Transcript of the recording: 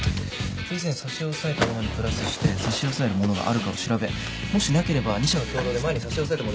以前差し押さえたものにプラスして差し押さえるものがあるかを調べもしなければ２社が共同で前に差し押さえたものを売って。